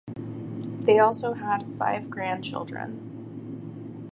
They also had five grandchildren.